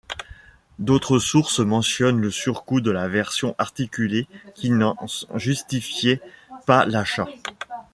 D'autres sources mentionnent le surcoût de la version articulée qui n'en justifiait pas l'achat.